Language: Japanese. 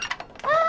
あ！